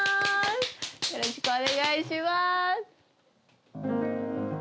よろしくお願いします！